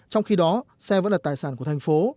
trong khi đó xe vẫn là tài sản của thành phố